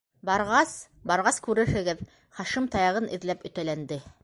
Барғас, барғас күрерһегеҙ, - Хашим таяғын эҙләп өтәләнде.